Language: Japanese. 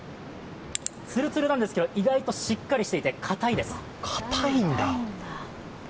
ツルツルなんですけど、意外としっかりとしていて硬いです。